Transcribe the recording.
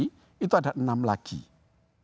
kita bisa mencoba untuk melakukan suara yang tadi